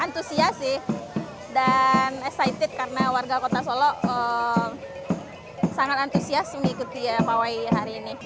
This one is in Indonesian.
antusias sih dan excited karena warga kota solo sangat antusias mengikuti pawai hari ini